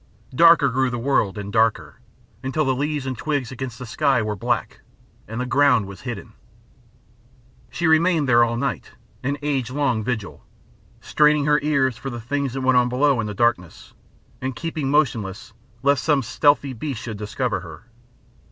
Darker grew the world and darker, until the leaves and twigs against the sky were black, and the ground was hidden. She remained there all night, an age long vigil, straining her ears for the things that went on below in the darkness, and keeping motionless lest some stealthy beast should discover her.